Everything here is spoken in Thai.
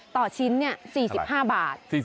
ต่อชิ้นเนี่ย๔๕บาท